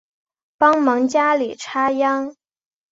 帮忙家里插秧